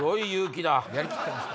やりきってます。